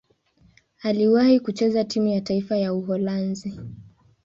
Aliwahi kucheza timu ya taifa ya Uholanzi.